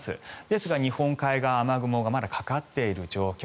ですが、日本海側雨雲がまだかかっている状況。